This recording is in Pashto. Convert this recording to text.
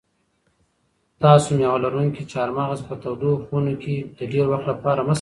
تاسو مېوه لرونکي چهارمغز په تودو خونو کې د ډېر وخت لپاره مه ساتئ.